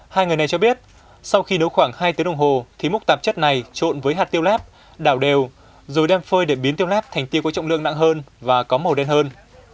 hai người này cho biết sau khi nấu khoảng hai tiếng đồng hồ thì múc tạp chất này trộn với hạt tiêu lát đảo đều rồi đem phơi để biến tiêu láp thành tiêu có trọng lượng nặng hơn và có màu đen hơn